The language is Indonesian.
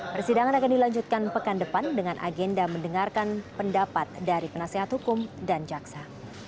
persidangan akan dilanjutkan pekan depan dengan agenda mendengarkan pendapat dari penasehat hukum dan jaksa